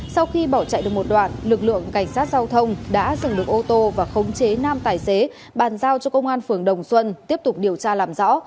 sau khi bỏ chạy được một đoạn lực lượng cảnh sát giao thông đã dừng lực ô tô và khống chế nam tài xế bàn giao cho công an phường đồng xuân tiếp tục điều tra làm rõ